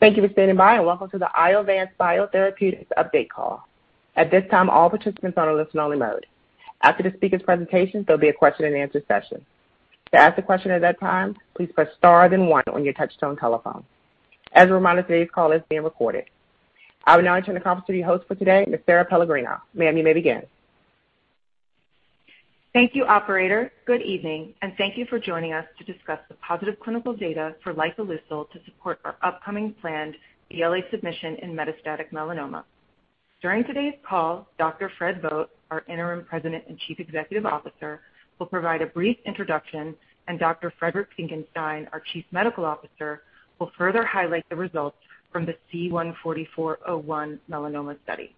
Thank you for standing by and welcome to the Iovance Biotherapeutics update call. At this time, all participants are on a listen-only mode. After the speaker's presentation, there'll be a question-and-answer session. To ask a question at that time, please press star then one on your touchtone telephone. As a reminder, today's call is being recorded. I will now turn the conference to your host for today, Ms. Sara Pellegrino. Ma'am, you may begin. Thank you, operator. Good evening, and thank you for joining us to discuss the positive clinical data for lifileucel to support our upcoming planned BLA submission in metastatic melanoma. During today's call, Dr. Fred Vogt, our interim president and chief executive officer, will provide a brief introduction, and Dr. Friedrich Graf Finckenstein, our chief medical officer, will further highlight the results from the C-144-01 melanoma study.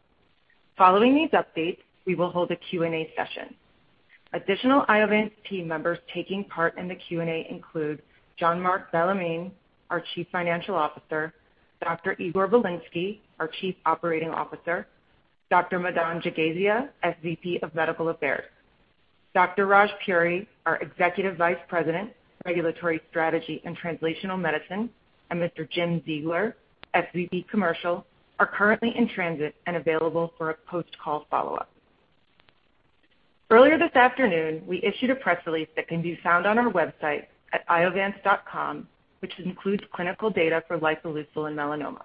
Following these updates, we will hold a Q&A session. Additional Iovance team members taking part in the Q&A include Jean-Marc Bellemin, our chief financial officer, Dr. Igor Bilinsky, our chief operating officer, Dr. Madan Jagasia, SVP of Medical Affairs. Dr. Raj Puri, our executive vice president, Regulatory Strategy and Translational Medicine, and Mr. Jim Ziegler, SVP Commercial, are currently in transit and available for a post-call follow-up. Earlier this afternoon, we issued a press release that can be found on our website at iovance.com, which includes clinical data for lifileucel in melanoma.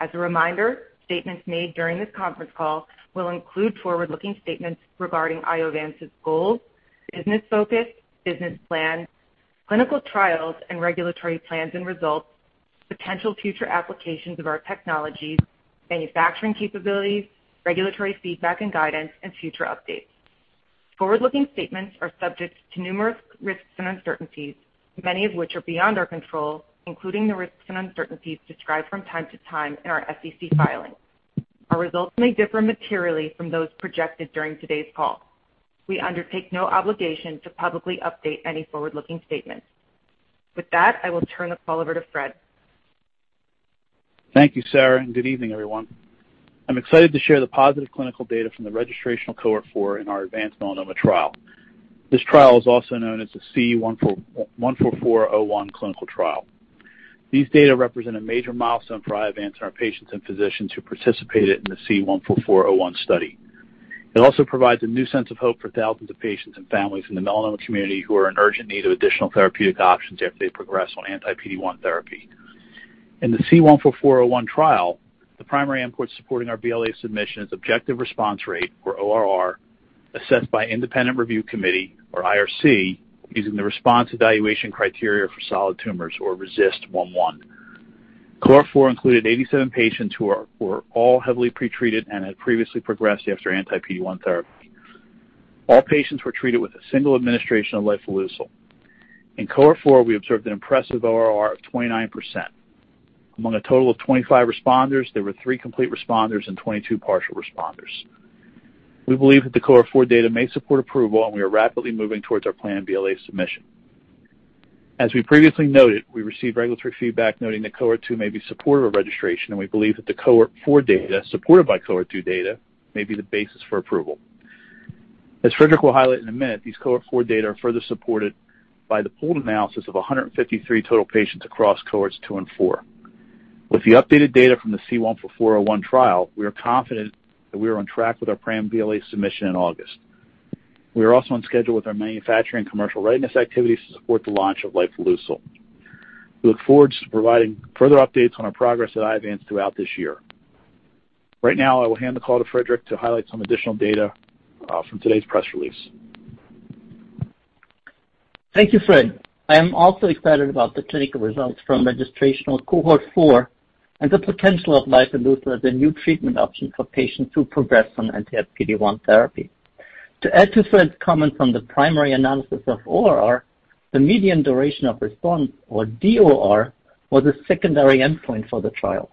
As a reminder, statements made during this conference call will include forward-looking statements regarding Iovance's goals, business focus, business plan, clinical trials and regulatory plans and results, potential future applications of our technologies, manufacturing capabilities, regulatory feedback and guidance, and future updates. Forward-looking statements are subject to numerous risks and uncertainties, many of which are beyond our control, including the risks and uncertainties described from time to time in our SEC filings. Our results may differ materially from those projected during today's call. We undertake no obligation to publicly update any forward-looking statements. With that, I will turn the call over to Fred. Thank you, Sarah, and good evening, everyone. I'm excited to share the positive clinical data from the registrational cohort four in our advanced melanoma trial. This trial is also known as the C-144-01 clinical trial. These data represent a major milestone for Iovance and our patients and physicians who participated in the C-144-01 study. It also provides a new sense of hope for thousands of patients and families in the melanoma community who are in urgent need of additional therapeutic options after they progress on anti-PD-1 therapy. In the C-144-01 trial, the primary endpoint supporting our BLA submission is objective response rate, or ORR, assessed by independent review committee, or IRC, using the Response Evaluation Criteria for Solid Tumors or RECIST 1.1. Cohort 4 included 87 patients who were all heavily pretreated and had previously progressed after anti-PD-1 therapy. All patients were treated with a single administration of lifileucel. In cohort 4, we observed an impressive ORR of 29%. Among a total of 25 responders, there were three complete responders and 22 partial responders. We believe that the cohort 4 data may support approval, and we are rapidly moving towards our planned BLA submission. As we previously noted, we received regulatory feedback noting that cohort 2 may be supportive of registration, and we believe that the cohort 4 data, supported by cohort 2 data, may be the basis for approval. As Friedrich will highlight in a minute, these cohort 4 data are further supported by the pooled analysis of 153 total patients across cohorts 2 and 4. With the updated data from the C-144-01 trial, we are confident that we are on track with our planned BLA submission in August. We are also on schedule with our manufacturing commercial readiness activities to support the launch of lifileucel. We look forward to providing further updates on our progress at Iovance throughout this year. Right now, I will hand the call to Friedrich to highlight some additional data from today's press release. Thank you, Fred. I am also excited about the clinical results from registrational Cohort 4 and the potential of lifileucel as a new treatment option for patients who progress on anti-PD-1 therapy. To add to Fred's comment from the primary analysis of ORR, the median duration of response, or DOR, was a secondary endpoint for the trial.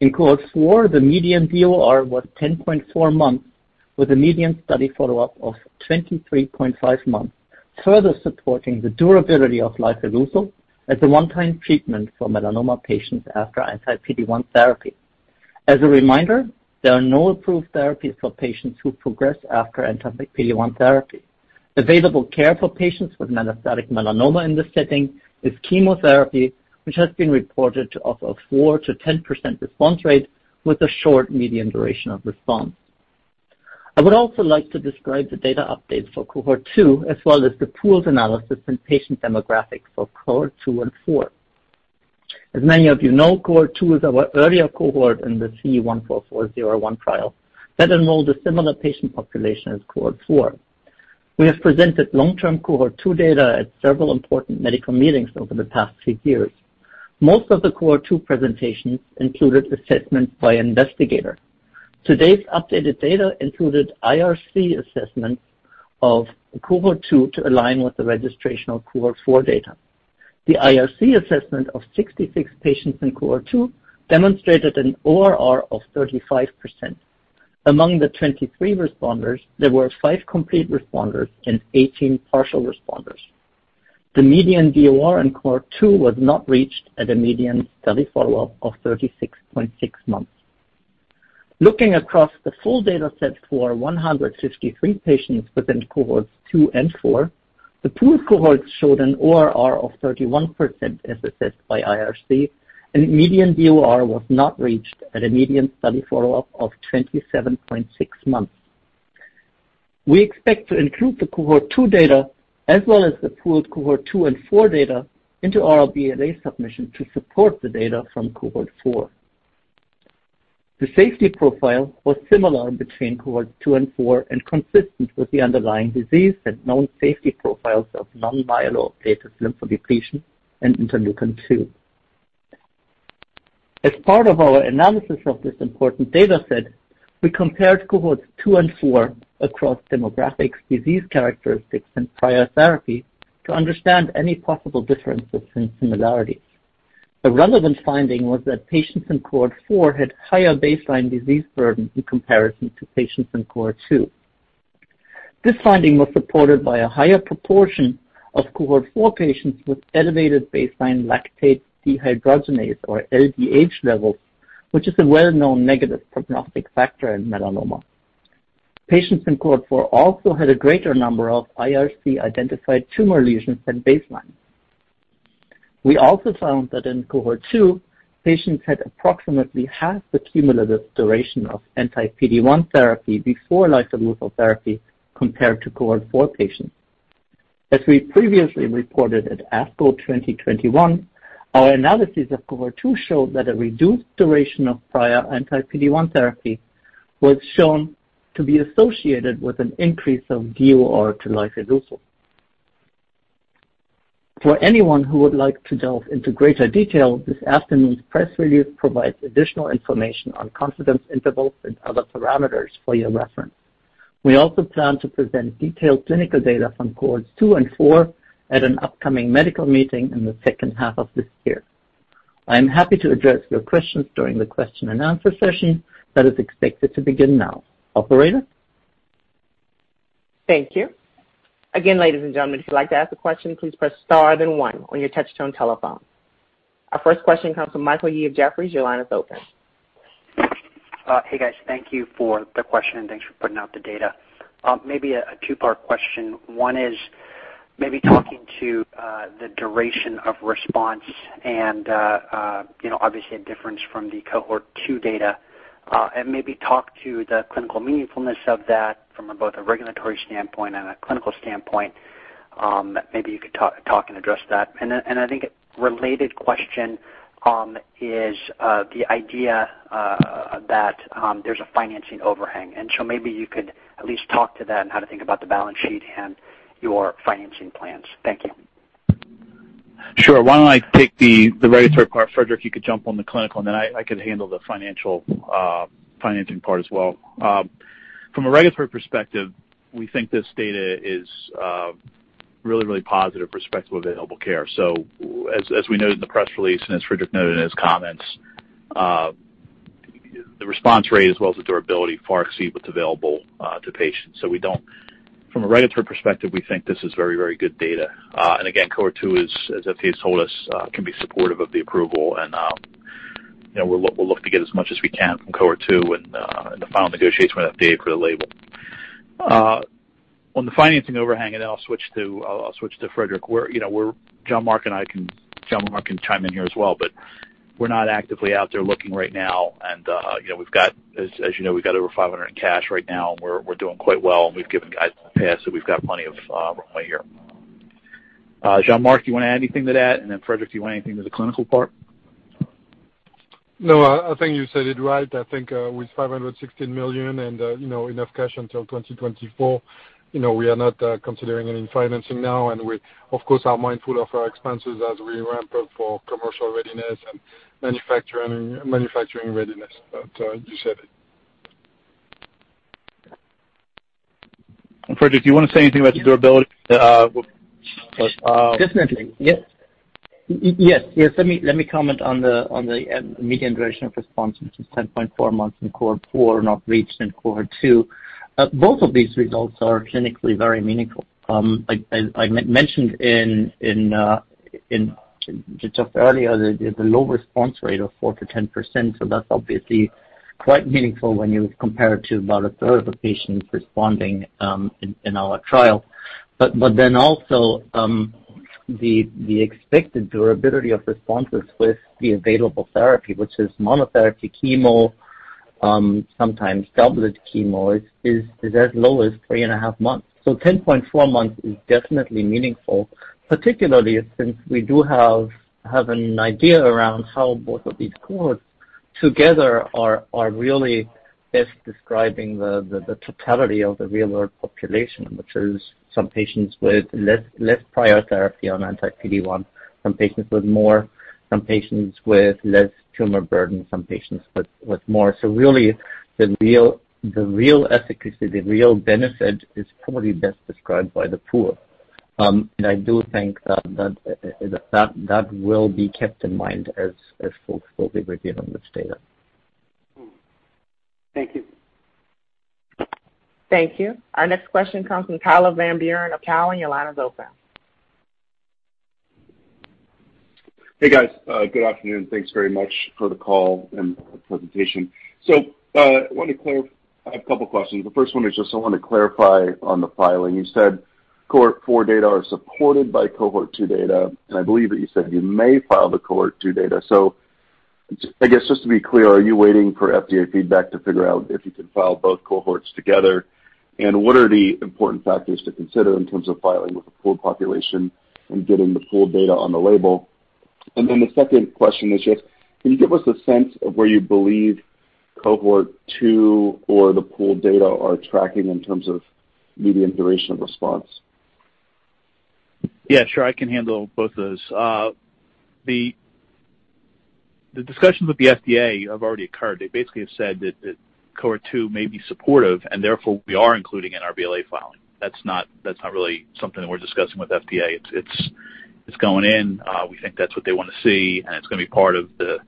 In Cohort 4, the median DOR was 10.4 months, with a median study follow-up of 23.5 months, further supporting the durability of lifileucel as a one-time treatment for melanoma patients after anti-PD-1 therapy. As a reminder, there are no approved therapies for patients who progress after anti-PD-1 therapy. Available care for patients with metastatic melanoma in this setting is chemotherapy, which has been reported to offer 4%-10% response rate with a short median duration of response. I would also like to describe the data updates for cohort two, as well as the pooled analysis and patient demographics for cohort two and four. As many of you know, cohort two is our earlier cohort in the C-144-01 trial that enrolled a similar patient population as cohort four. We have presented long-term cohort two data at several important medical meetings over the past few years. Most of the cohort two presentations included assessments by investigator. Today's updated data included IRC assessments of cohort two to align with the registrational cohort four data. The IRC assessment of 66 patients in cohort two demonstrated an ORR of 35%. Among the 23 responders, there were five complete responders and 18 partial responders. The median DOR in cohort two was not reached at a median study follow-up of 36.6 months. Looking across the full data set for 153 patients within cohorts two and four, the pooled cohorts showed an ORR of 31% as assessed by IRC, and median DOR was not reached at a median study follow-up of 27.6 months. We expect to include the cohort two data as well as the pooled cohort two and four data into our BLA submission to support the data from cohort four. The safety profile was similar between cohorts two and four and consistent with the underlying disease and known safety profiles of non-myeloablative lymphodepletion in interleukin-2. As part of our analysis of this important data set, we compared cohorts two and four across demographics, disease characteristics, and prior therapy to understand any possible differences and similarities. The relevant finding was that patients in cohort 4 had higher baseline disease burden in comparison to patients in cohort 2. This finding was supported by a higher proportion of cohort 4 patients with elevated baseline lactate dehydrogenase, or LDH levels, which is a well-known negative prognostic factor in melanoma. Patients in cohort 4 also had a greater number of IRC-identified tumor lesions than baseline. We also found that in cohort 2, patients had approximately half the cumulative duration of anti-PD-1 therapy before lifileucel therapy compared to cohort 4 patients. As we previously reported at ASCO 2021, our analysis of cohort 2 showed that a reduced duration of prior anti-PD-1 therapy was shown to be associated with an increase of DOR to lifileucel. For anyone who would like to delve into greater detail, this afternoon's press release provides additional information on confidence intervals and other parameters for your reference. We also plan to present detailed clinical data from cohorts 2 and 4 at an upcoming medical meeting in the second half of this year. I am happy to address your questions during the question and answer session that is expected to begin now. Operator? Thank you. Again, ladies and gentlemen, if you'd like to ask a question, please press star then one on your touch tone telephone. Our first question comes from Michael Yee of Jefferies. Your line is open. Hey, guys. Thank you for the question, and thanks for putting out the data. Maybe a two-part question. One is maybe talking to the duration of response and, you know, obviously a difference from the cohort two data, and maybe talk to the clinical meaningfulness of that from both a regulatory standpoint and a clinical standpoint. Maybe you could talk and address that. I think a related question is the idea that there's a financing overhang. Maybe you could at least talk to that and how to think about the balance sheet and your financing plans. Thank you. Sure. Why don't I take the regulatory part, Friedrich, you could jump on the clinical, and then I can handle the financial financing part as well. From a regulatory perspective, we think this data is really positive perspective of available care. As we noted in the press release and as Friedrich noted in his comments, the response rate as well as the durability far exceed what's available to patients. From a regulatory perspective, we think this is very good data. Again, Cohort 2 is, as FDA has told us, can be supportive of the approval, and you know, we'll look to get as much as we can from Cohort 2 and in the final negotiation with FDA for the label. On the financing overhang, I'll switch to Friedrich. You know, Jean-Marc and I can chime in here as well, but we're not actively out there looking right now. You know, as you know, we've got over $500 million in cash right now. We're doing quite well, and we've given guidance in the past that we've got plenty of runway here. Jean-Marc, do you wanna add anything to that? Friedrich, do you want anything on the clinical part? No, I think you said it right. I think with $516 million and you know enough cash until 2024, you know, we are not considering any financing now, and we, of course, are mindful of our expenses as we ramp up for commercial readiness and manufacturing readiness. you said it. Friedrich, do you wanna say anything about the durability? Definitely. Yes. Let me comment on the median duration of response, which is 10.4 months in cohort 4, not reached in cohort 2. Both of these results are clinically very meaningful. Like I mentioned in just earlier, the low response rate of 4%-10%. That's obviously quite meaningful when you compare it to about a third of the patients responding in our trial. Then also, the expected durability of responses with the available therapy, which is monotherapy chemo, sometimes doublet chemo is as low as 3.5 months. 10.4 months is definitely meaningful, particularly since we do have an idea around how both of these cohorts together are really best describing the totality of the real-world population, which is some patients with less prior therapy on anti-PD-1, some patients with more, some patients with less tumor burden, some patients with more. Really, the real efficacy, the real benefit is probably best described by the pool. I do think that will be kept in mind as folks fully review this data. Thank you. Thank you. Our next question comes from Tyler Van Buren of TD Cowen. Your line is open. Hey guys, good afternoon. Thanks very much for the call and presentation. I have a couple questions. The first one is just I want to clarify on the filing. You said cohort 4 data are supported by cohort 2 data, and I believe that you said you may file the cohort 2 data. I guess just to be clear, are you waiting for FDA feedback to figure out if you can file both cohorts together? What are the important factors to consider in terms of filing with the full population and getting the pooled data on the label? The second question is just, can you give us a sense of where you believe cohort 2 or the pooled data are tracking in terms of median duration of response? Yeah, sure. I can handle both those. The discussions with the FDA have already occurred. They basically have said that cohort two may be supportive and therefore we are including in our BLA filing. That's not really something that we're discussing with FDA. It's going in, we think that's what they wanna see, and it's gonna be part of the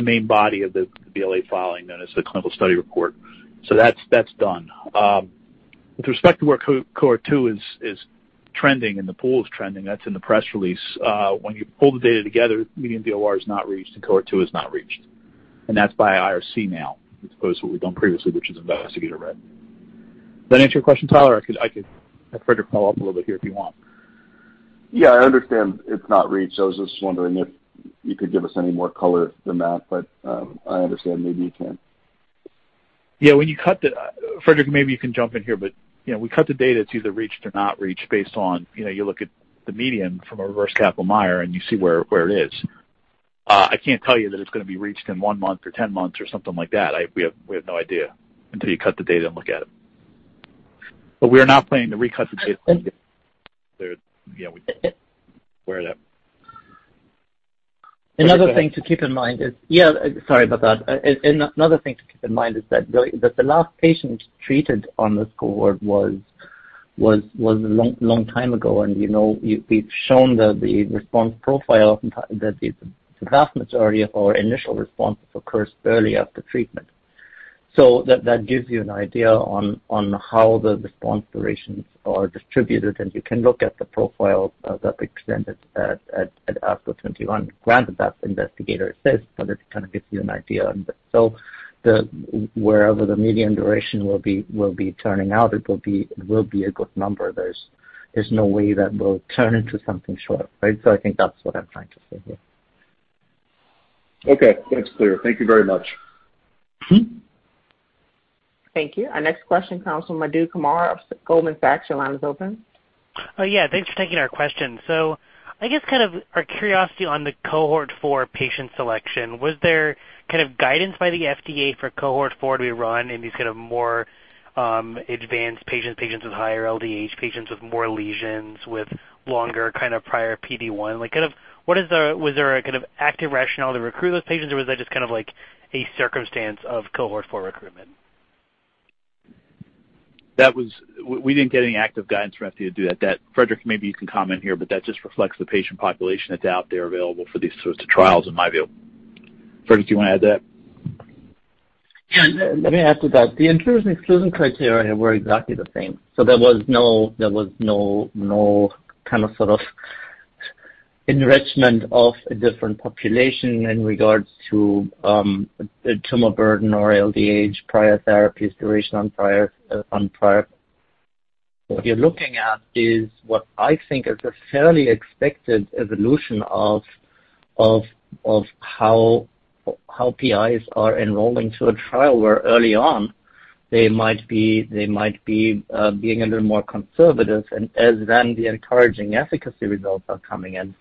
main body of the BLA filing known as the clinical study report. That's done. With respect to where cohort two is trending and the pooled is trending, that's in the press release. When you pull the data together, median DOR is not reached and cohort two is not reached, and that's by IRC now, as opposed to what we've done previously, which is investigator read. Does that answer your question, Tyler? I could have Friedrich follow up a little bit here if you want. Yeah, I understand it's not reached. I was just wondering if you could give us any more color than that, but I understand maybe you can't. Yeah. Friedrich, maybe you can jump in here, but, you know, when you cut the data that's either reached or not reached based on, you know, you look at the median from a reverse Kaplan-Meier and you see where it is. I can't tell you that it's gonna be reached in 1 month or 10 months or something like that. We have no idea until you cut the data and look at it. We are not planning to recut the data. Another thing to keep in mind is. Yeah, sorry about that. Another thing to keep in mind is that the last patient treated on this cohort was a long time ago. You know, we've shown that the response profile, that the vast majority of our initial responses occurs early after treatment. That gives you an idea on how the response durations are distributed. You can look at the profile that extended at up to 21, granted that investigator says, but it kind of gives you an idea. The wherever the median duration will be will be turning out, it will be a good number. There's no way that will turn into something short, right? I think that's what I'm trying to say here. Okay. That's clear. Thank you very much. Mm-hmm. Thank you. Our next question comes from Madhu Kumar of Goldman Sachs. Your line is open. Oh, yeah. Thanks for taking our question. I guess kind of our curiosity on the cohort four patient selection, was there kind of guidance by the FDA for cohort four to be run in these kind of more, advanced patients with higher LDH, patients with more lesions, with longer kind of prior PD-1? Like, kind of Was there a kind of active rationale to recruit those patients or was that just kind of like a circumstance of cohort four recruitment? We didn't get any active guidance from FDA to do that. That, Friedrich, maybe you can comment here, but that just reflects the patient population that's out there available for these sorts of trials, in my view. Friedrich, do you want to add to that? Yeah. Let me add to that. The inclusion, exclusion criteria were exactly the same. There was no kind of sort of enrichment of a different population in regards to tumor burden or LDH, prior therapies, duration on prior. What you're looking at is what I think is a fairly expected evolution of how PIs are enrolling to a trial where early on they might be being a little more conservative and as then the encouraging efficacy results are coming in,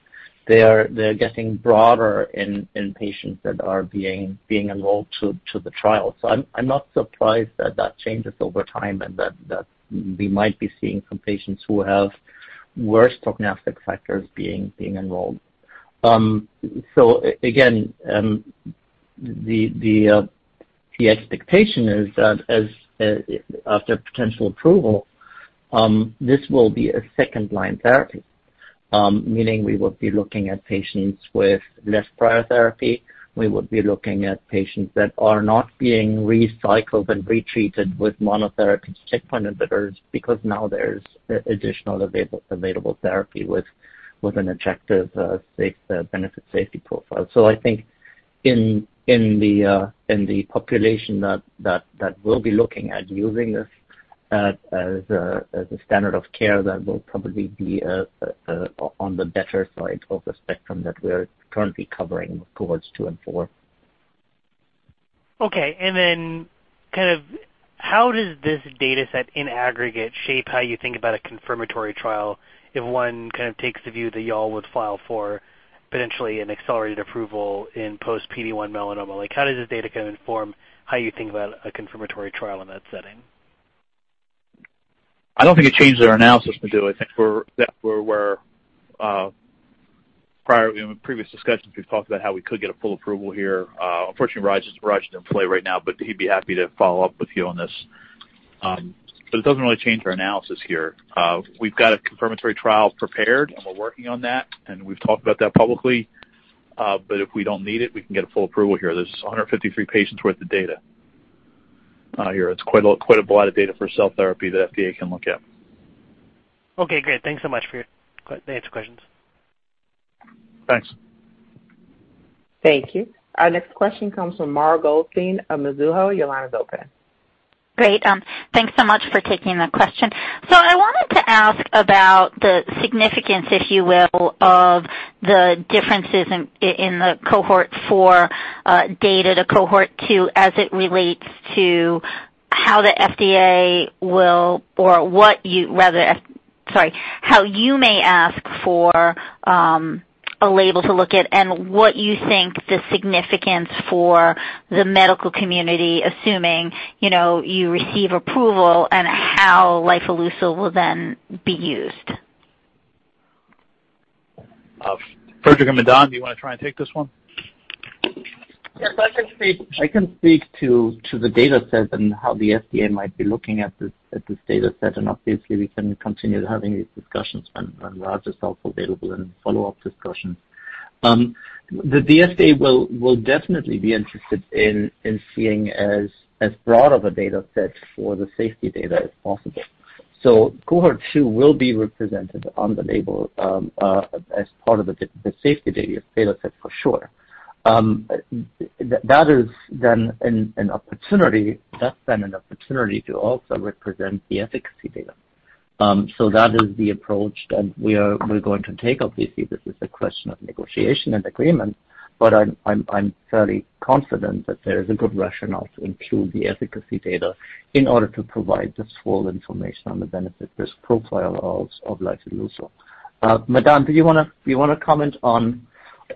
they're getting broader in patients that are being enrolled to the trial. I'm not surprised that changes over time and that we might be seeing some patients who have worse prognostic factors being enrolled. Again, the expectation is that after potential approval, this will be a second line therapy, meaning we would be looking at patients with less prior therapy. We would be looking at patients that are not being recycled and retreated with monotherapy checkpoint inhibitors because now there's additional available therapy with an objective safe benefit safety profile. I think in the population that we'll be looking at using this as a standard of care, that will probably be on the better side of the spectrum that we're currently covering cohorts 2 and 4. Okay. Kind of how does this data set in aggregate shape how you think about a confirmatory trial if one kind of takes the view that y'all would file for potentially an accelerated approval in post-PD-1 melanoma? Like, how does this data kind of inform how you think about a confirmatory trial in that setting? I don't think it changes our analysis, Madhu. I think that we're where prior in previous discussions we've talked about how we could get a full approval here. Unfortunately, Raj is in play right now, but he'd be happy to follow up with you on this. It doesn't really change our analysis here. We've got a confirmatory trial prepared and we're working on that, and we've talked about that publicly, but if we don't need it, we can get a full approval here. There's 153 patients worth of data. Here it's quite a lot of data for cell therapy the FDA can look at. Okay, great. Thanks so much for answering the questions. Thanks. Thank you. Our next question comes from Mara Goldstein of Mizuho. Your line is open. Great. Thanks so much for taking the question. I wanted to ask about the significance, if you will, of the differences in the Cohort 4 data, the Cohort 2, as it relates to how you may ask for a label to look at and what you think the significance for the medical community, assuming, you know, you receive approval and how lifileucel will then be used. Friedrich or Madan, do you wanna try and take this one? Yes, I can speak to the data set and how the FDA might be looking at this data set, and obviously we can continue having these discussions when Raj is also available in follow-up discussions. The FDA will definitely be interested in seeing as broad of a data set for the safety data as possible. Cohort two will be represented on the label as part of the safety data set for sure. That is then an opportunity to also represent the efficacy data. That is the approach that we're going to take. Obviously, this is a question of negotiation and agreement, but I'm fairly confident that there is a good rationale to include the efficacy data in order to provide this full information on the benefit, this profile of lifileucel. Madan, do you wanna comment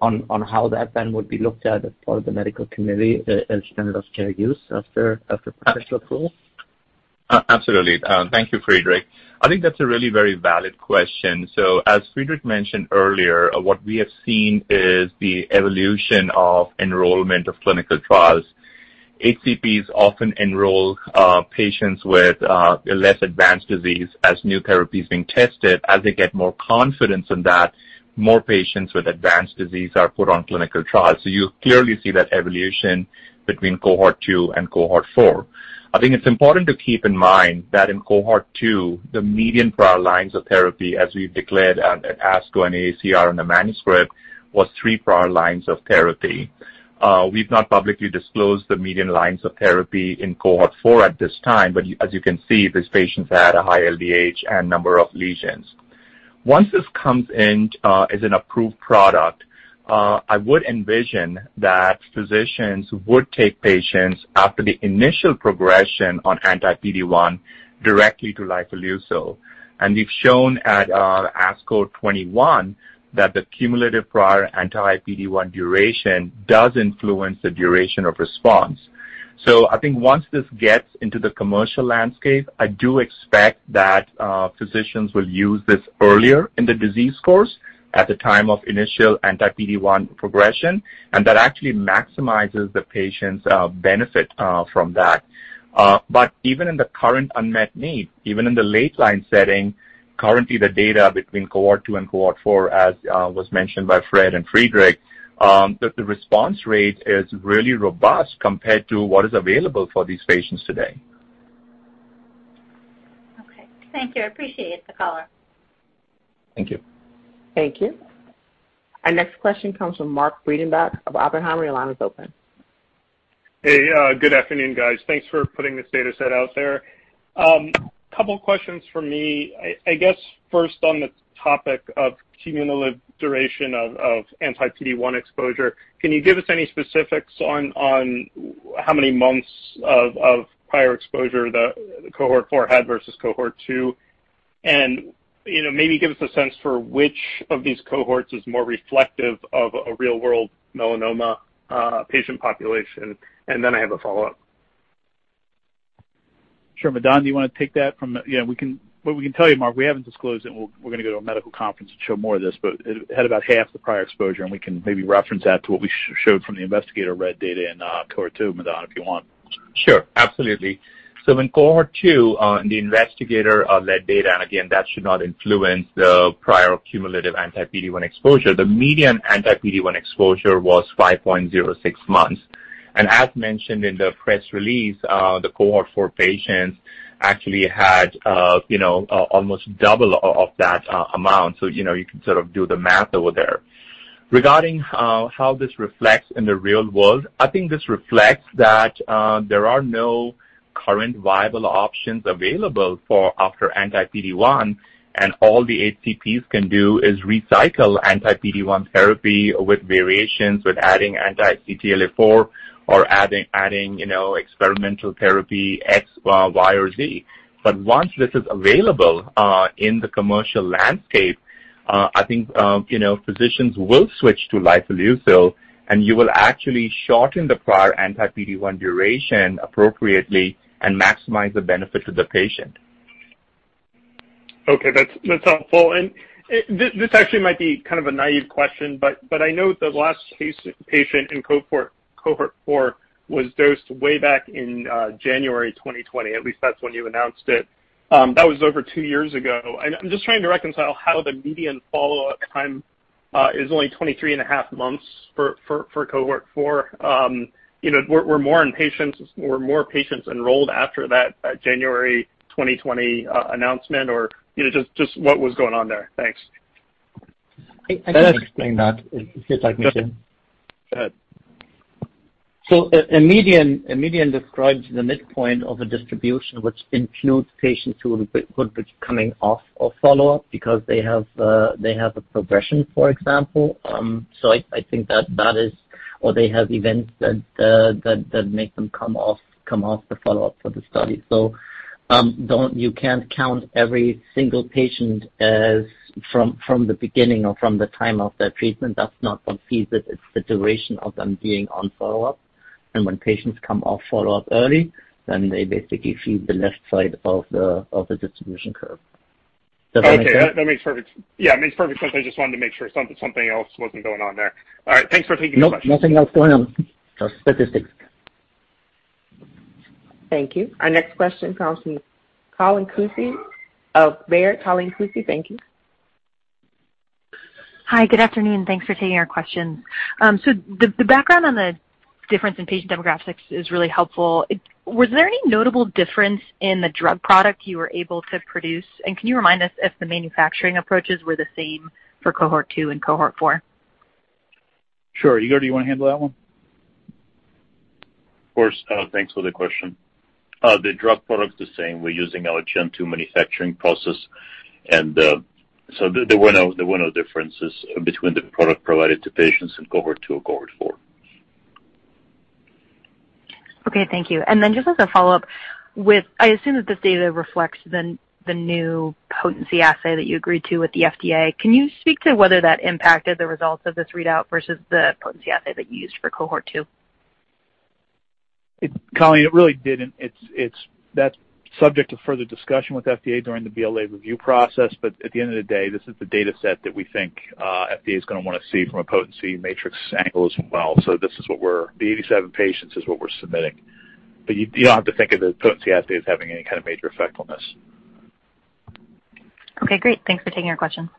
on how that then would be looked at as part of the medical community, as standard of care use after potential approval? Absolutely. Thank you, Friedrich. I think that's a really very valid question. As Friedrich mentioned earlier, what we have seen is the evolution of enrollment of clinical trials. HCPs often enroll patients with less advanced disease as new therapies being tested. As they get more confidence in that, more patients with advanced disease are put on clinical trials. You clearly see that evolution between Cohort 2 and Cohort 4. I think it's important to keep in mind that in Cohort 2, the median prior lines of therapy, as we've declared at ASCO and AACR in the manuscript, was 3 prior lines of therapy. We've not publicly disclosed the median lines of therapy in Cohort 4 at this time, but as you can see, these patients had a high LDH and number of lesions. Once this comes in as an approved product, I would envision that physicians would take patients after the initial progression on anti-PD-1 directly to lifileucel. We've shown at ASCO 2021 that the cumulative prior anti-PD-1 duration does influence the duration of response. I think once this gets into the commercial landscape, I do expect that physicians will use this earlier in the disease course at the time of initial anti-PD-1 progression, and that actually maximizes the patient's benefit from that. Even in the current unmet need, even in the late line setting, currently the data between cohort 2 and cohort 4, as was mentioned by Fred and Friedrich, the response rate is really robust compared to what is available for these patients today. Okay. Thank you. I appreciate the color. Thank you. Thank you. Our next question comes from Mark Breidenbach of Oppenheimer. Your line is open. Hey, good afternoon, guys. Thanks for putting this data set out there. Couple questions for me. I guess first on the topic of cumulative duration of anti-PD-1 exposure, can you give us any specifics on how many months of prior exposure the cohort 4 had versus cohort 2? You know, maybe give us a sense for which of these cohorts is more reflective of a real-world melanoma patient population. I have a follow-up. Sure. Madan, do you wanna take that? Yeah, what we can tell you, Mark, we haven't disclosed it, and we're gonna go to a medical conference to show more of this, but it had about half the prior exposure, and we can maybe reference that to what we showed from the investigator-led data in cohort two. Madan, if you want. Sure. Absolutely. In cohort 2, in the investigator-led data. Again, that should not influence the prior cumulative anti-PD-1 exposure. The median anti-PD-1 exposure was 5.06 months. As mentioned in the press release, the cohort 4 patients actually had, you know, almost double of that amount. You know, you can sort of do the math over there. Regarding how this reflects in the real world, I think this reflects that, there are no current viable options available for after anti-PD-1, and all the HCPs can do is recycle anti-PD-1 therapy with variations, with adding anti-CTLA-4 or adding, you know, experimental therapy X, Y or Z. Once this is available in the commercial landscape, I think, you know, physicians will switch to lifileucel, and you will actually shorten the prior anti-PD-1 duration appropriately and maximize the benefit to the patient. Okay. That's helpful. This actually might be kind of a naive question, but I know the last patient in cohort four was dosed way back in January 2020. At least that's when you announced it. That was over two years ago. I'm just trying to reconcile how the median follow-up time is only 23.5 months for cohort four. You know, were more patients enrolled after that January 2020 announcement or you know, just what was going on there? Thanks. I- I- Let me explain that. If I can, Jim. Go ahead. A median describes the midpoint of a distribution which includes patients who would be coming off of follow-up because they have a progression, for example. I think that is or they have events that make them come off the follow-up for the study. You can't count every single patient as from the beginning or from the time of their treatment. That's not what feeds it. It's the duration of them being on follow-up. When patients come off follow-up early, then they basically feed the left side of the distribution curve. Does that make sense? Okay. Yeah, it makes perfect sense. I just wanted to make sure something else wasn't going on there. All right. Thanks for taking the question. Nope. Nothing else going on. Just statistics. Thank you. Our next question comes from Colleen M. Kusy of Baird. Colleen M. Kusy. Thank you. Hi. Good afternoon. Thanks for taking our question. The background on the difference in patient demographics is really helpful. Was there any notable difference in the drug product you were able to produce, and can you remind us if the manufacturing approaches were the same for cohort 2 and cohort 4? Sure. Igor, do you wanna handle that one? Of course. Thanks for the question. The drug product is the same. We're using our Gen 2 manufacturing process and, so there were no differences between the product provided to patients in cohort 2 or cohort 4. Okay. Thank you. Just as a follow-up, with, I assume that this data reflects the new potency assay that you agreed to with the FDA. Can you speak to whether that impacted the results of this readout versus the potency assay that you used for cohort 2? Colleen, it really didn't. It's That's subject to further discussion with FDA during the BLA review process. At the end of the day, this is the data set that we think FDA is gonna wanna see from a potency matrix angle as well. This is what we're The 87 patients is what we're submitting. You don't have to think of the potency assay as having any kind of major effect on this. Okay, great. Thanks for taking our question.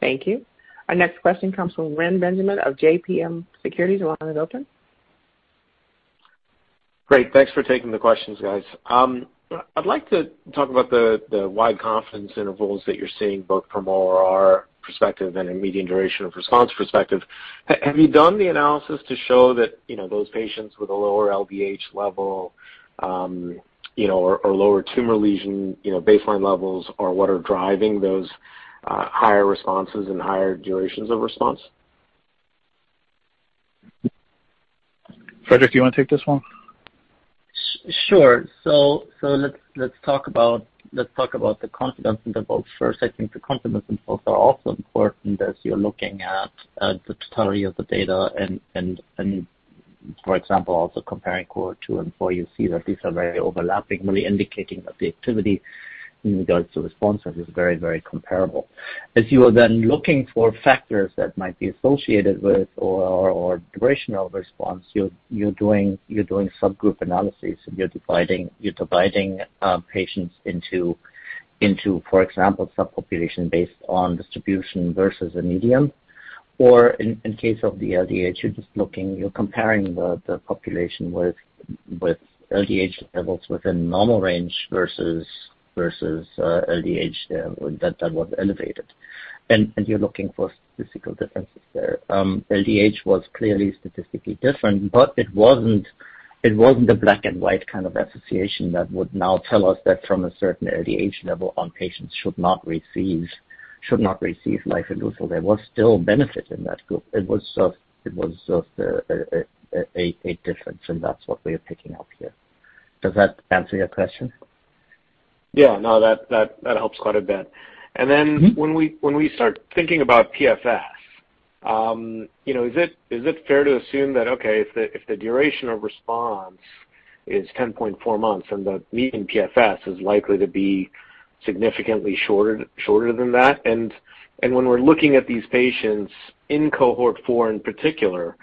Thank you. Our next question comes from Reni Benjamin of JMP Securities. The line is open. Great. Thanks for taking the questions, guys. I'd like to talk about the wide confidence intervals that you're seeing both from ORR perspective and a median duration of response perspective. Have you done the analysis to show that, you know, those patients with a lower LDH level, you know, or lower tumor lesion, you know, baseline levels are what are driving those, higher responses and higher durations of response? Friedrich, do you wanna take this one? Sure. Let's talk about the confidence intervals first. I think the confidence intervals are also important as you're looking at the totality of the data and, for example, also comparing cohort 2 and 4, you see that these are very overlapping, really indicating that the activity in regards to responses is very, very comparable. As you are then looking for factors that might be associated with ORR or durational response, you're doing subgroup analyses and you're dividing patients into, for example, subpopulation based on distribution versus a median. In case of the LDH, you're just looking. You're comparing the population with LDH levels within normal range versus LDH that was elevated. You're looking for statistical differences there. LDH was clearly statistically different, but it wasn't a black and white kind of association that would now tell us that from a certain LDH level on, patients should not receive lifileucel. There was still benefit in that group. It was just a difference, and that's what we are picking up here. Does that answer your question? Yeah. No, that helps quite a bit. Mm-hmm. When we start thinking about PFS, you know, is it fair to assume that, okay, if the duration of response is 10.4 months and the median PFS is likely to be significantly shorter than that? When we're looking at these patients in cohort four in particular,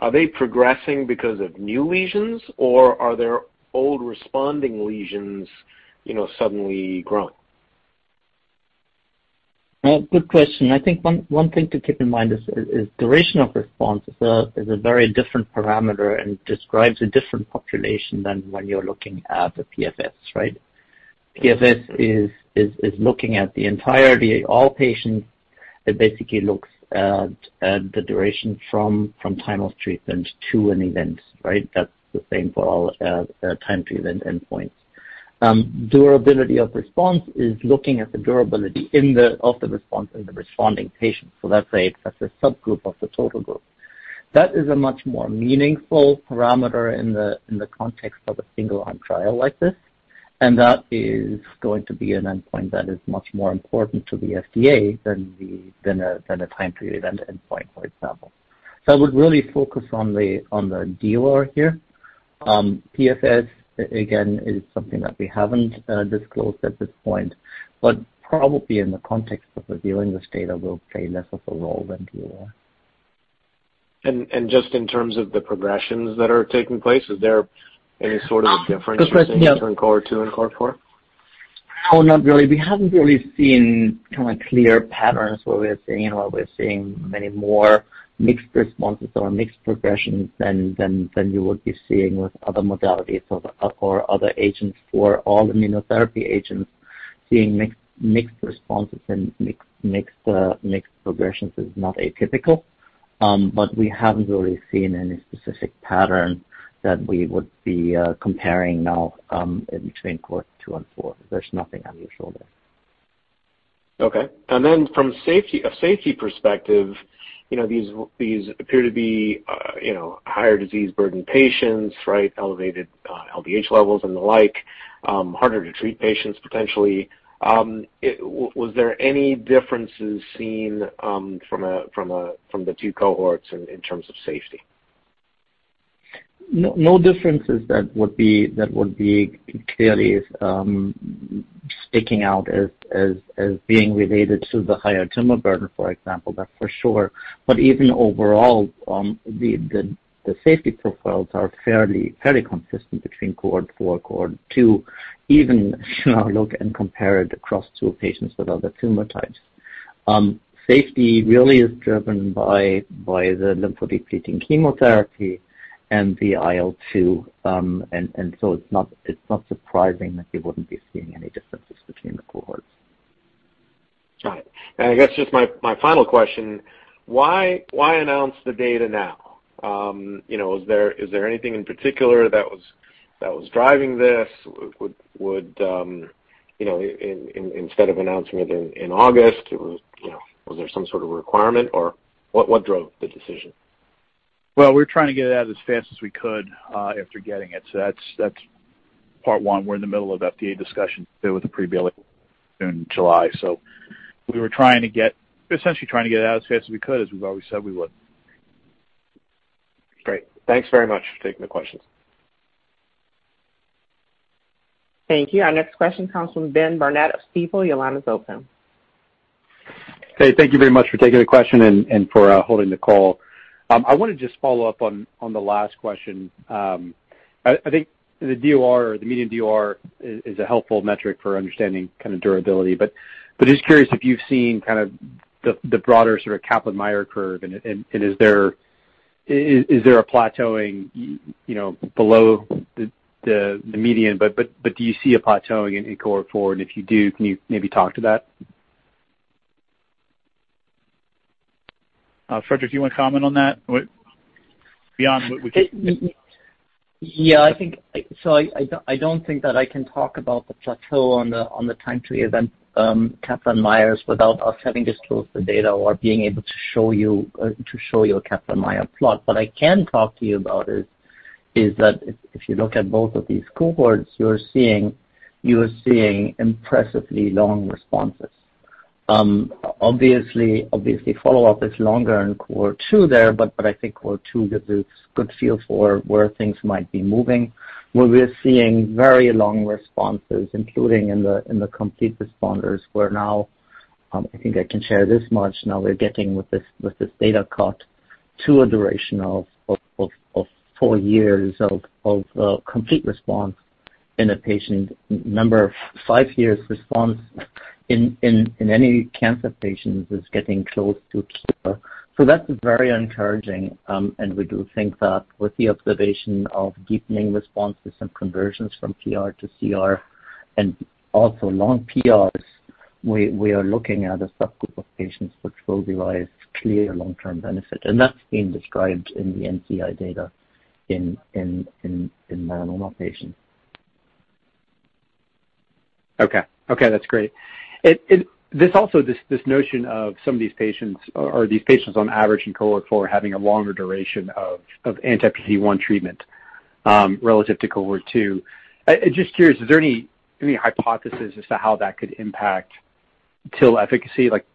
are they progressing because of new lesions or are there old responding lesions, you know, suddenly growing? Good question. I think one thing to keep in mind is duration of response is a very different parameter and describes a different population than when you're looking at the PFS, right? PFS is looking at the entirety, all patients. It basically looks at the duration from time of treatment to an event, right? That's the same for all time to event endpoints. Durability of response is looking at the durability of the response in the responding patients. So let's say it's a subgroup of the total group. That is a much more meaningful parameter in the context of a single arm trial like this, and that is going to be an endpoint that is much more important to the FDA than a time to event endpoint, for example. I would really focus on the DOR here. PFS again is something that we haven't disclosed at this point, but probably in the context of reviewing this data will play less of a role than DOR. Just in terms of the progressions that are taking place, is there any sort of difference? Just saying, yeah. between cohort 2 and cohort 4? Oh, not really. We haven't really seen kind of clear patterns where we're seeing what we're seeing many more mixed responses or mixed progressions than you would be seeing with other modalities of or other agents for all immunotherapy agents. Seeing mixed responses and mixed progressions is not atypical. We haven't really seen any specific pattern that we would be comparing now between cohort 2 and 4. There's nothing unusual there. Okay. From a safety perspective, you know, these appear to be, you know, higher disease burden patients, right? Elevated LDH levels and the like, harder to treat patients potentially. Was there any differences seen from the two cohorts in terms of safety? No differences that would be clearly sticking out as being related to the higher tumor burden, for example, that for sure. But even overall, the safety profiles are fairly consistent between cohort 4, cohort 2, even if you now look and compare it across 2 patients with other tumor types. Safety really is driven by the lymphodepleting chemotherapy and the IL-2, and so it's not surprising that you wouldn't be seeing any differences between the cohorts. Got it. I guess just my final question, why announce the data now? You know, is there anything in particular that was driving this? Would you know, instead of announcing it in August, you know, was there some sort of requirement or what drove the decision? Well, we're trying to get it out as fast as we could after getting it. That's part one. We're in the middle of FDA discussion there with the pre-BLA in July. We were essentially trying to get it out as fast as we could, as we've always said we would. Great. Thanks very much for taking the questions. Thank you. Our next question comes from Ben Burnett of Stifel. Your line is open. Hey, thank you very much for taking the question and for holding the call. I want to just follow up on the last question. I think the DOR or the median DOR is a helpful metric for understanding kind of durability. Just curious if you've seen kind of the broader sort of Kaplan-Meier curve, and is there a plateauing, you know, below the median? Do you see a plateauing in cohort four? If you do, can you maybe talk to that? Friedrich, do you want to comment on that? I don't think that I can talk about the plateau on the time to the event, Kaplan-Meier without us having disclosed the data or being able to show you a Kaplan-Meier plot. What I can talk to you about is that if you look at both of these cohorts, you're seeing impressively long responses. Obviously, follow-up is longer in cohort two there, but I think cohort two gives us good feel for where things might be moving, where we're seeing very long responses, including in the complete responders, where now I think I can share this much, now we're getting with this data cut to a duration of 4 years of complete response in a patient. Number of five-year responses in any cancer patient is getting close to cure. That is very encouraging, and we do think that with the observation of deepening responses and conversions from PR to CR and also long PRs, we are looking at a subgroup of patients which will derive clear long-term benefit. That's been described in the NCI data in melanoma patients. Okay. That's great. This also this notion of some of these patients or these patients on average in cohort 4 having a longer duration of anti-PD-1 treatment relative to cohort 2. Just curious, is there any hypothesis as to how that could impact TIL efficacy? Like,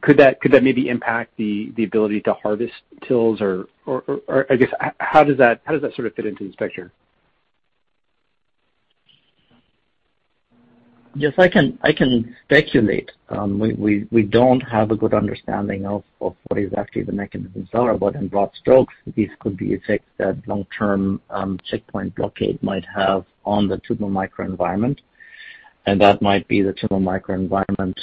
could that maybe impact the ability to harvest TILs or I guess how does that sort of fit into this picture? Yes, I can speculate. We don't have a good understanding of what exactly the mechanisms are. In broad strokes, these could be effects that long-term checkpoint blockade might have on the tumor microenvironment, and that might be the tumor microenvironment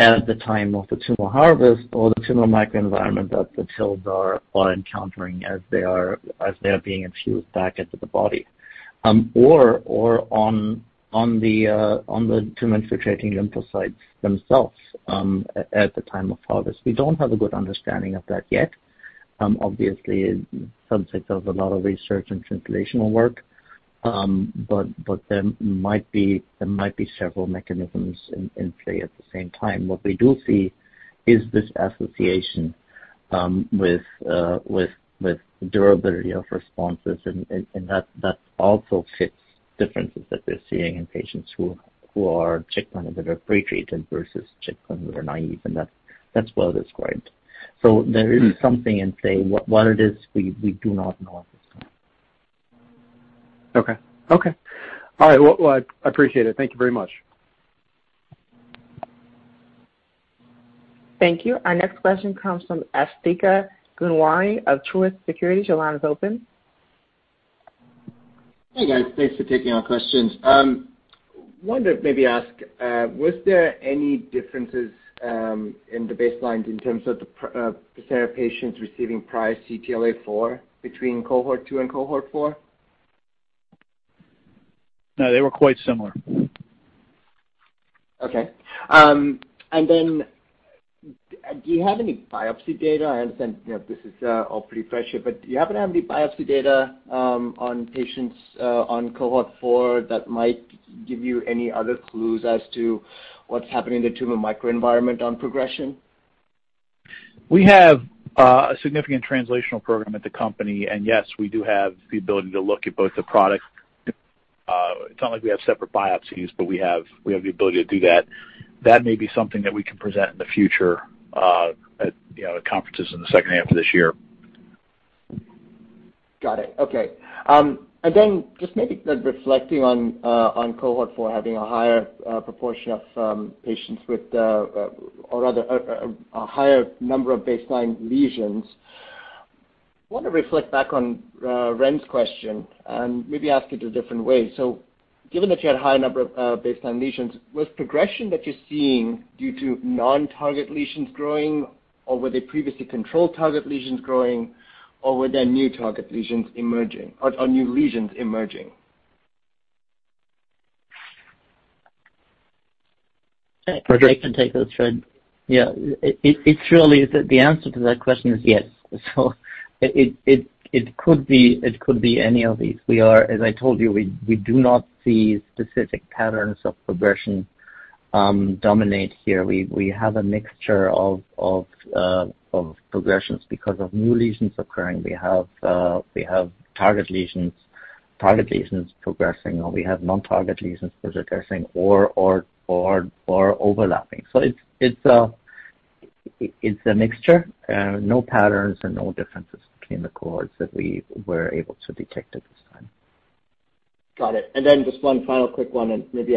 at the time of the tumor harvest or the tumor microenvironment that the TILs are encountering as they are being infused back into the body, or on the tumor-infiltrating lymphocytes themselves at the time of harvest. We don't have a good understanding of that yet. Obviously subject of a lot of research and translational work. There might be several mechanisms in play at the same time. What we do see is this association with durability of responses and that also fits differences that we're seeing in patients who are checkpoint inhibitor pre-treated versus checkpoint inhibitor-naive, and that's well described. There is something in play. What it is we do not know at this time. Okay. All right. Well, I appreciate it. Thank you very much. Thank you. Our next question comes from Asthika Goonewardene of Truist Securities. Your line is open. Hi, guys. Thanks for taking our questions. Wanted to maybe ask, was there any differences in the baselines in terms of the set of patients receiving prior CTLA-4 between cohort 2 and cohort 4? No, they were quite similar. Okay. Then do you have any biopsy data? I understand, you know, this is all pretty fresh here, but do you happen to have any biopsy data on patients on Cohort 4 that might give you any other clues as to what's happening in the tumor microenvironment on progression? We have a significant translational program at the company, and yes, we do have the ability to look at both the products. It's not like we have separate biopsies, but we have the ability to do that. That may be something that we can present in the future, at, you know, at conferences in the second half of this year. Got it. Okay. Just maybe reflecting on cohort four having a higher proportion of patients with, or rather a higher number of baseline lesions. I want to reflect back on Ren's question and maybe ask it a different way. Given that you had a high number of baseline lesions, was progression that you're seeing due to non-target lesions growing, or were they previously controlled target lesions growing, or were there new target lesions emerging or new lesions emerging? Frederick? I can take this, Fred. Yeah. It's really the answer to that question is yes. It could be any of these. We are, as I told you, we do not see specific patterns of progression dominate here. We have a mixture of progressions because of new lesions occurring. We have target lesions progressing, or we have non-target lesions progressing or overlapping. It's a mixture. No patterns and no differences between the cohorts that we were able to detect at this time. Got it. Just one final quick one and maybe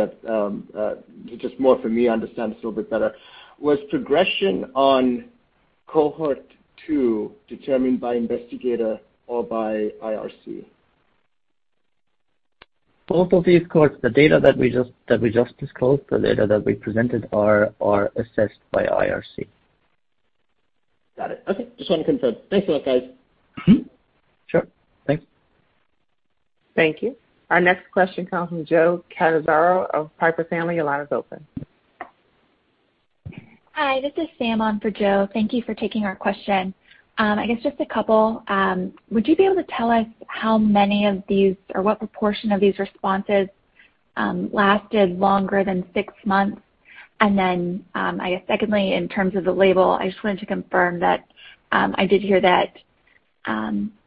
just more for me to understand this a little bit better. Was progression on Cohort 2 determined by investigator or by IRC? Both of these cohorts, the data that we just disclosed, the data that we presented are assessed by IRC. Got it. Okay. Just want to confirm. Thanks a lot, guys. Mm-hmm. Sure. Thanks. Thank you. Our next question comes from Joe Catanzaro of Piper Sandler. Your line is open. Hi, this is Sam on for Joe. Thank you for taking our question. I guess just a couple. Would you be able to tell us how many of these or what proportion of these responses lasted longer than six months? I guess secondly, in terms of the label, I just wanted to confirm that, I did hear that,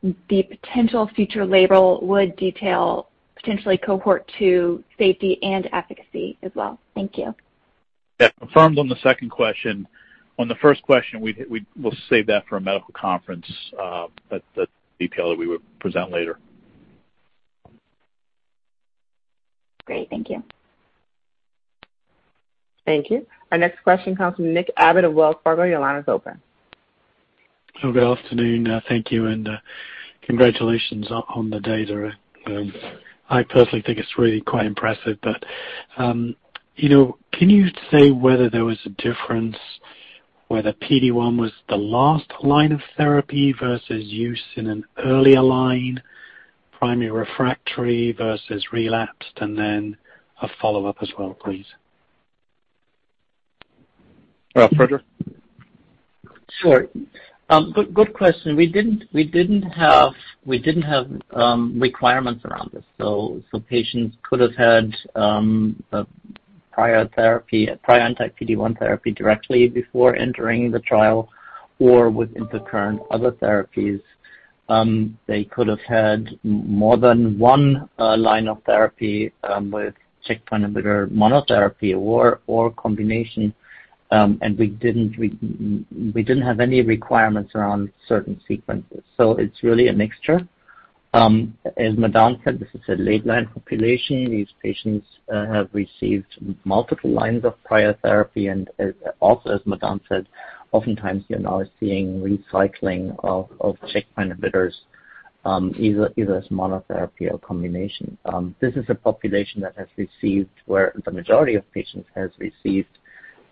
the potential future label would detail potentially cohort two safety and efficacy as well. Thank you. Yeah. Confirmed on the second question. On the first question, we'll save that for a medical conference, that detail that we would present later. Great. Thank you. Thank you. Our next question comes from Nick Abbott of Wells Fargo. Your line is open. Good afternoon. Thank you, and congratulations on the data. I personally think it's really quite impressive, but you know, can you say whether there was a difference whether PD-1 was the last line of therapy versus use in an earlier line, primary refractory versus relapsed? Then a follow-up as well, please. Friedrich? Sure. Good question. We didn't have requirements around this, so patients could have had a prior therapy, a prior anti-PD-1 therapy directly before entering the trial or with intercurrent other therapies. They could have had more than one line of therapy with checkpoint inhibitor monotherapy or combination. We didn't have any requirements around certain sequences. It's really a mixture. As Madan said, this is a late-line population. These patients have received multiple lines of prior therapy. Also as Madan said, oftentimes you're now seeing recycling of checkpoint inhibitors, either as monotherapy or combination. This is a population that has received, where the majority of patients has received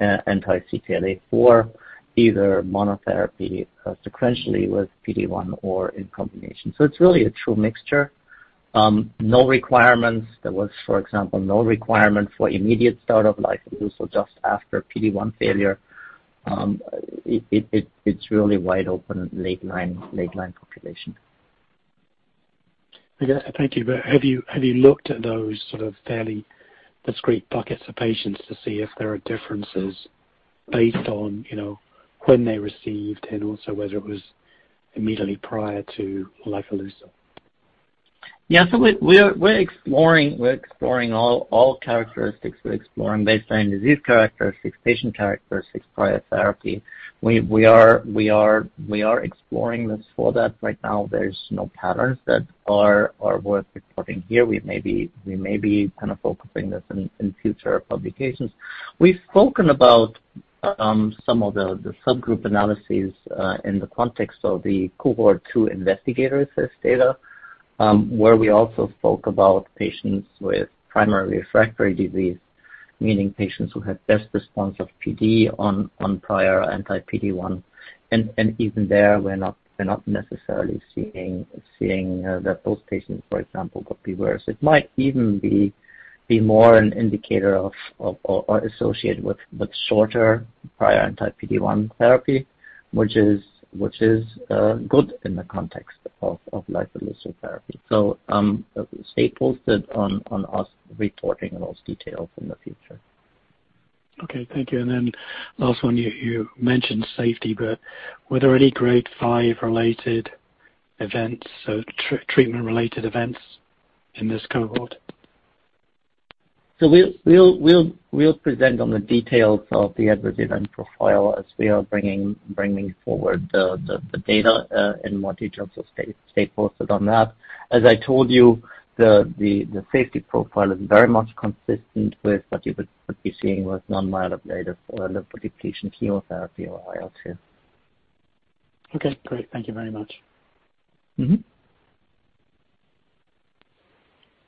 anti-CTLA-4, either monotherapy sequentially with PD-1 or in combination. It's really a true mixture. No requirements. There was, for example, no requirement for immediate thought of life to do, so just after PD-1 failure. It's really wide open late line population. Okay. Thank you. Have you looked at those sort of fairly discrete buckets of patients to see if there are differences based on, you know, when they received and also whether it was immediately prior to omalizumab? Yeah. We're exploring all characteristics. We're exploring baseline disease characteristics, patient characteristics, prior therapy. We are exploring this for that. Right now there's no patterns that are worth reporting here. We may be kind of focusing this in future publications. We've spoken about some of the subgroup analyses in the context of the cohort two investigator-assessed data, where we also spoke about patients with primary refractory disease, meaning patients who had best response of PD on prior anti-PD-1. Even there, we're not necessarily seeing that those patients, for example, got worse. It might even be more an indicator of, or associated with, shorter prior anti-PD-1 therapy, which is good in the context of lifileucel therapy. Stay posted on us reporting those details in the future. Okay, thank you. Last one. You mentioned safety, but were there any grade 5-related events or treatment-related events in this cohort? We'll present on the details of the adverse event profile as we are bringing forward the data in more detail, so stay posted on that. As I told you, the safety profile is very much consistent with what you would be seeing with non-myeloablative lymphodepletion chemotherapy or IL-2. Okay, great. Thank you very much. Mm-hmm.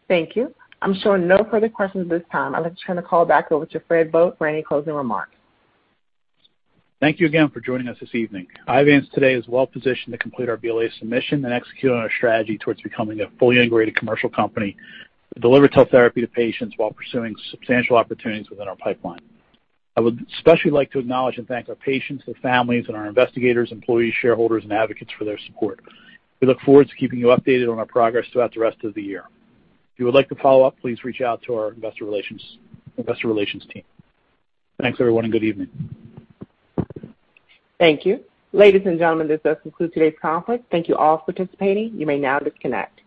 Thank you. I'm showing no further questions at this time. I'd like to turn the call back over to Fred Vogt for any closing remarks. Thank you again for joining us this evening. Iovance today is well-positioned to complete our BLA submission and execute on our strategy towards becoming a fully integrated commercial company to deliver cell therapy to patients while pursuing substantial opportunities within our pipeline. I would especially like to acknowledge and thank our patients, their families and our investigators, employees, shareholders, and advocates for their support. We look forward to keeping you updated on our progress throughout the rest of the year. If you would like to follow up, please reach out to our investor relations team. Thanks everyone, and good evening. Thank you. Ladies and gentlemen, this does conclude today's conference. Thank you all for participating. You may now disconnect.